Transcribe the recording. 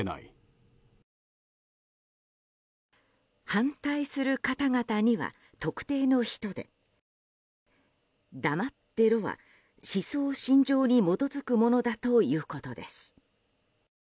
反対する方々には特定の人で黙ってろは、思想信条に基づくものだということです。